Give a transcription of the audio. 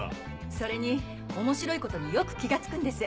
それに面白いことによく気が付くんです。